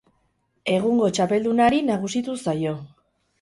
Egungo txapeldunari nagusitu zaio.